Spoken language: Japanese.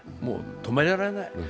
止められない。